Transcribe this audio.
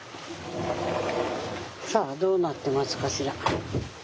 さあどうなってますかしら？